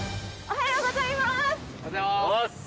おはようございます！